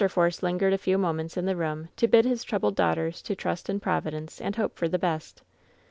Force lingered a few moments in the room to bid his troubled daughters to trust in Providence and hope for the best.